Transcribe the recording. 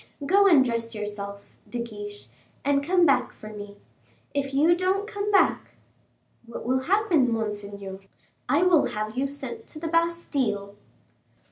Go and dress yourself, De Guiche, and come back for me. If you don't come back " "What will happen, monseigneur?" "I will have you sent to the Bastile."